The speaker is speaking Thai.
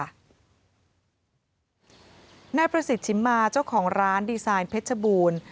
หน้าประสิทธิ์ชิมมาเจ้าของร้านดีไซน์เผชฌบุญ